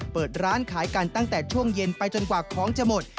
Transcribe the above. เปิดร้านขายกันตั้งแต่ช่วงเย็นไปจนกว่าของจะหมด